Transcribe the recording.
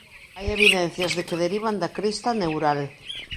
Hai evidencias de que derivan da crista neural.